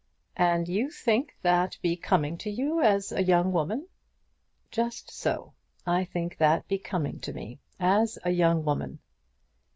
"And you think that becoming to you, as a young woman?" "Just so; I think that becoming to me, as a young woman."